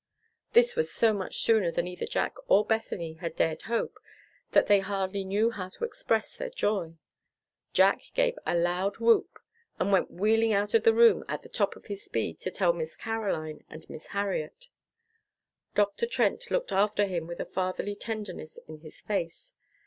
This was so much sooner than either Jack or Bethany had dared hope, that they hardly knew how to express their joy. Jack gave a loud whoop, and went wheeling out of the room at the top of his speed to tell Miss Caroline and Miss Harriet. Dr. Trent looked after him with a fatherly tenderness in his face.